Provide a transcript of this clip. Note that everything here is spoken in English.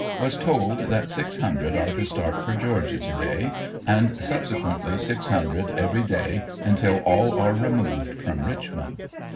Was told that six hundred are to start for Georgia to day and subsequently six hundred every day until all are removed from Richmond.